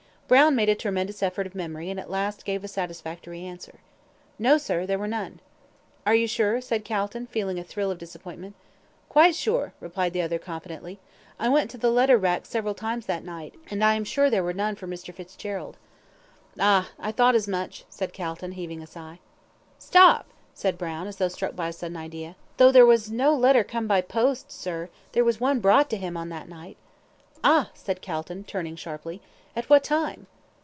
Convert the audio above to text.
Brown made a tremendous effort of memory, and at last gave a satisfactory answer. "No, sir, there were none!" "Are you sure?" said Calton, feeling a thrill of disappointment. "Quite sure, sir," replied the other, confidently, "I went to the letter rack several times that night, and I am sure there were none for Mr. Fitzgerald." "Ah! I thought as much," said Calton, heaving a sigh. "Stop!" said Brown, as though struck with a sudden idea. "Though there was no letter came by post, sir, there was one brought to him on that night." "Ah!" said Calton, turning sharply. "At what time?"